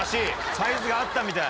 サイズが合ったみたい。